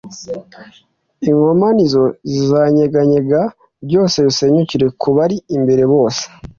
inkomanizo zizanyeganyega byose bisenyukire ku bari imbere bose,